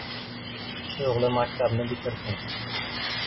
O‘g‘li maktabni bitirsin.